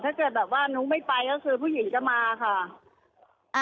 ถ้าเกิดแบบว่าหนูไม่ไปก็คือผู้หญิงจะมาค่ะ